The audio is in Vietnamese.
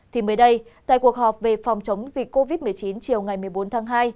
thì mới đây tại cuộc họp về phòng chống dịch covid một mươi chín chiều ngày một mươi bốn tháng hai